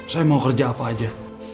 saya mau kerja apa aja